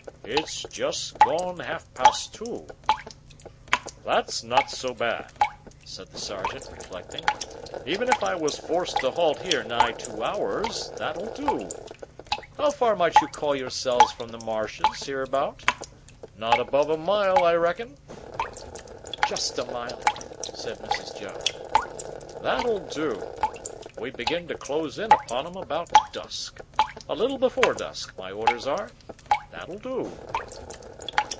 "It's just gone half past two." "That's not so bad," said the sergeant, reflecting; "even if I was forced to halt here nigh two hours, that'll do. How far might you call yourselves from the marshes, hereabouts? Not above a mile, I reckon?" "Just a mile," said Mrs. Joe. "That'll do. We begin to close in upon 'em about dusk. A little before dusk, my orders are. That'll do."